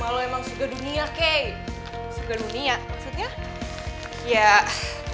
bale banget liat si nyjil gue di alarm